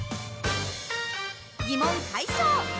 疑問解消！